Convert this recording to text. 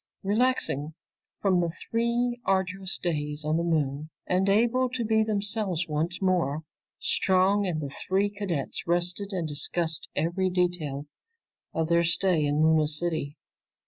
Relaxing from the three arduous days on the Moon and able to be themselves once more, Strong and the three cadets rested and discussed every detail of their stay in Luna City.